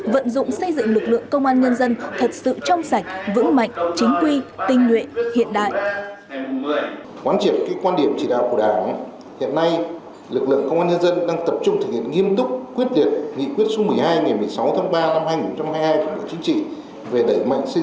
vận dụng xây dựng lực lượng công an nhân dân thật sự trong sạch vững mạnh chính quy tinh nguyện hiện đại